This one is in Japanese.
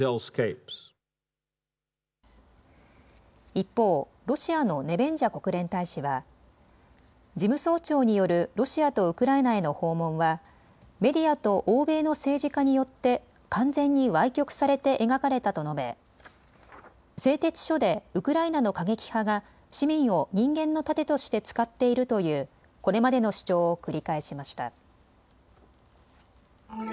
一方、ロシアのネベンジャ国連大使は事務総長によるロシアとウクライナへの訪問はメディアと欧米の政治家によって完全にわい曲されて描かれたと述べ製鉄所でウクライナの過激派が市民を人間の盾として使っているというこれまでの主張を繰り返しました。